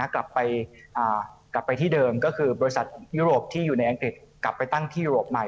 กลับไปที่เดิมก็คือบริษัทยุโรปที่อยู่ในอังกฤษกลับไปตั้งที่ยุโรปใหม่